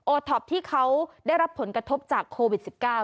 ท็อปที่เขาได้รับผลกระทบจากโควิด๑๙